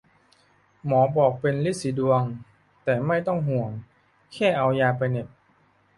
หมอบอกเป็นรีดสีดวง แต่ไม่ต้องห่วง แค่เอายาไปเหน็บ